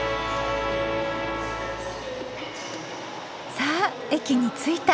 さあ駅に着いた。